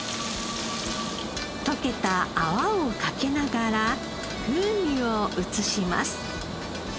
溶けた泡をかけながら風味を移します。